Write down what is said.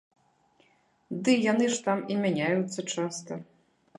Ды яны ж там і мяняюцца часта.